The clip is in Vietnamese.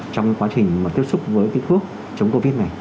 trong quá trình mà tiếp xúc với cái thuốc chống covid này